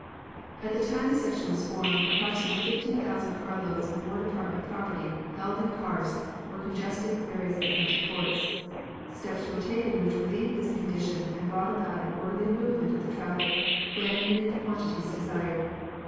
At the time the section was formed approximately 15,000 carloads of War Department property held in cars were congesting various Atlantic ports. Steps were taken which relieved this condition and brought about an orderly movement of the traffic when and in the quantities desired.